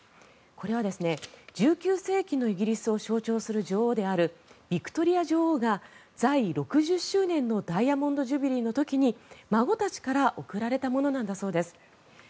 これは１９世紀のイギリスを象徴する女王であるビクトリア女王が在位６０周年のダイヤモンド・ジュビリーの時に孫たちから贈られたものなんだそうです。